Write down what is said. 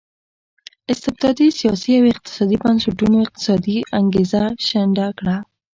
استبدادي سیاسي او اقتصادي بنسټونو اقتصادي انګېزه شنډه کړه.